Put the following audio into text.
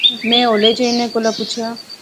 میں ہولے جئے انیں کولا پچھیا